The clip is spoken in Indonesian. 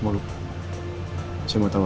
muluka saya mau tahu